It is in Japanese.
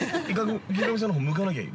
◆池上さんのほうに向かなきゃいい。